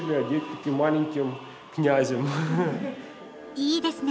いいですね。